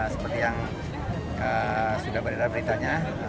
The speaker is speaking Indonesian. seperti yang sudah beredar beritanya